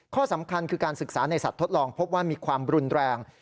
ข้อสำคัญคือการศึกษาในสัตว์ทดลองพบว่ามีความรุนแรง